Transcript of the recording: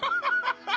ハハハハ！